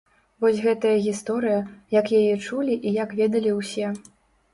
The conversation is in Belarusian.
Вось гэтая гісторыя, як яе чулі і як ведалі ўсе.